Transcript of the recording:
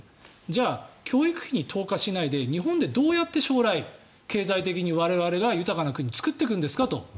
じゃあ教育費に投下しないで日本でどうやって将来、経済的に我々が豊かな国を作っていくんですかと。